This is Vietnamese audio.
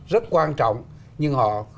rất quan trọng nhưng họ